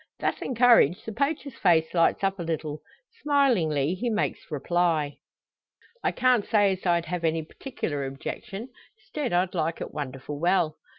Thus encouraged, the poacher's face lights up a little. Smilingly, he makes reply: "I can't say as I'd have any particular objection. 'Stead, I'd like it wonderful well."